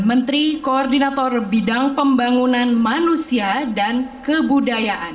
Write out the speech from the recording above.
menteri koordinator bidang pembangunan manusia dan kebudayaan